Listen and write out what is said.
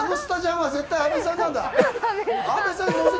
あのスタジャンは絶対、阿部さんなんだ！